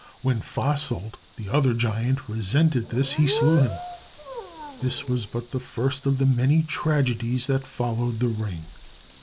When Fasolt, the other giant, resented this, he slew him. This was but the first of the many tragedies that followed the ring.